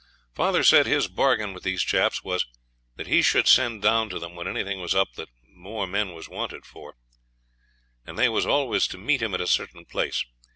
Father said his bargain with these chaps was that he should send down to them when anything was up that more men was wanted for, and they was always to meet him at a certain place.